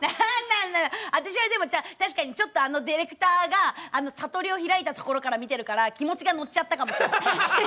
私は、あのディレクターが悟りを開いたところから見ているから気持ちが乗っちゃったかもしれない。